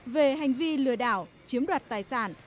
về hành vi lừa đảo chiếm đoạt tài sản